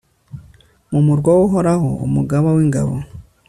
mu murwa w'uhoraho, umugaba w'ingabo